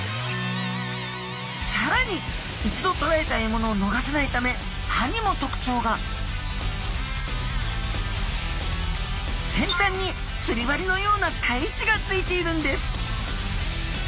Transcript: さらに一度とらえた獲物をのがさないため歯にもとくちょうが先端に釣り針のような返しがついているんです